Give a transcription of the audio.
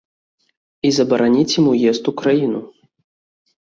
І забараніць ім уезд у краіну.